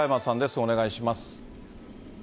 お願いします。